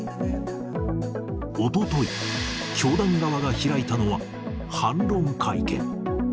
おととい、教団側が開いたのは、反論会見。